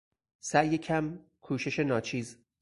سعی کم، کوشش ناچیز